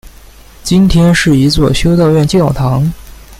今天是一座修道院教堂。